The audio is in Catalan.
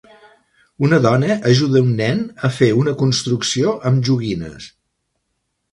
Una dona ajuda un nen a fer una construcció amb joguines